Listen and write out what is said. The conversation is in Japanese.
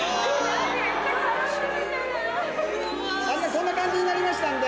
こんな感じになりましたんで。